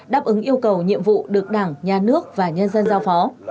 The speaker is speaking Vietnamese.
đáp ứng yêu cầu nhiệm vụ được đảng nhà nước và nhân dân giao phó